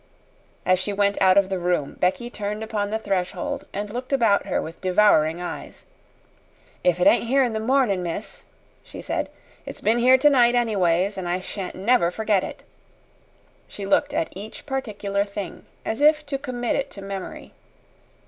As she went out of the room, Becky turned upon the threshold and looked about her with devouring eyes. "If it ain't here in the mornin', miss," she said, "it's been here tonight, anyways, an' I shan't never forget it." She looked at each particular thing, as if to commit it to memory.